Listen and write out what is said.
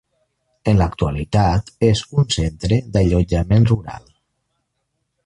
En l'actualitat és un centre d'allotjament rural.